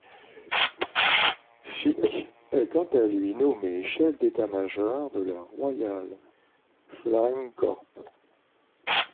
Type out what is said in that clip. Sykes est quant à lui nommé chef d'état major de la Royal Flying Corps.